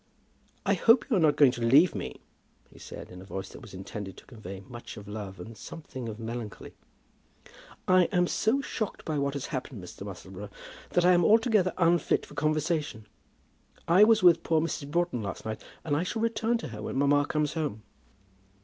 "I hope you are not going to leave me?" he said, in a voice that was intended to convey much of love, and something of melancholy. "I am so shocked by what has happened, Mr. Musselboro, that I am altogether unfit for conversation. I was with poor Mrs. Broughton last night, and I shall return to her when mamma comes home."